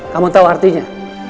kamu tahu artinya